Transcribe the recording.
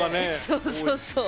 そうそうそう。